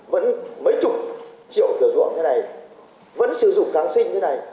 vẫn mấy chục triệu thừa ruộng thế này vẫn sử dụng kháng sinh thế này